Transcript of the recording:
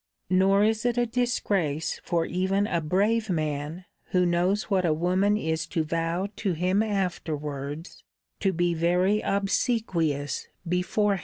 Nor is it a disgrace for even a brave man, who knows what a woman is to vow to him afterwards, to be very obsequious beforehand.